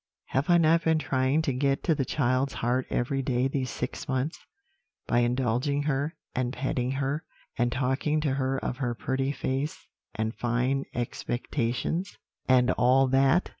have I not been trying to get to the child's heart every day these six months, by indulging her, and petting her, and talking to her of her pretty face and fine expectations, and all that?